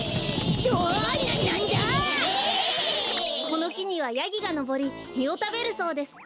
このきにはヤギがのぼりみをたべるそうです。